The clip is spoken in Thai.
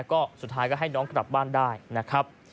ก็สุดท้ายก็ให้น้องกลับบ้านได้นะครับ